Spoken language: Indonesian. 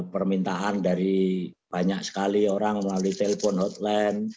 permintaan dari banyak sekali orang melalui telepon hotline